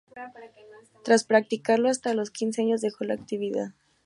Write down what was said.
Tras practicarlo hasta los quince años, dejó la actividad.